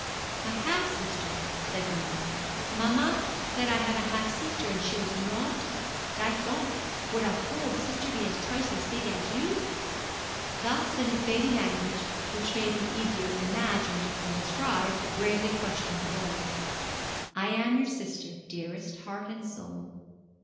'My half sister,' said Vernon. 'Maman said I had a half sister, and she was naughty. Dites donc, would a whole sister be twice as big as you?' Thus in his baby language, which may be easier imagined than described, gravely questioned the boy. 'I am your sister, dearest, heart and soul.